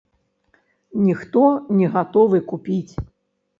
Ніхто не гатовы купіць.